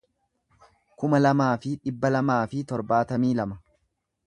kuma lamaa fi dhibba lamaa fi torbaatamii lama